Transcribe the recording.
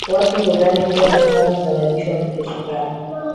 watu hudhani kuwa sukari husababishwa na kisukari